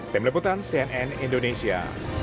tim liputan cnn indonesia